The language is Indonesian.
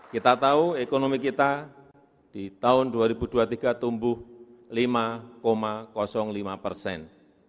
kita tahu ekonomi kita di tahun dua ribu dua puluh tiga tumbuh lima lima persen